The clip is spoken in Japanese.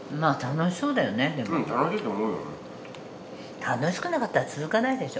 楽しくなかったら続かないでしょ。